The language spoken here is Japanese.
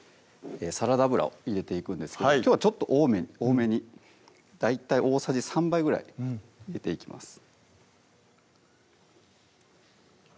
サラダ油を入れていくんですけどきょうはちょっと多めに大体大さじ３杯ぐらい入れていきます